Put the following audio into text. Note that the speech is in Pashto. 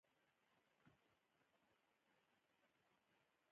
کله چې د یو نوم یا یوې جملې څرګندېدل لازم نه وي.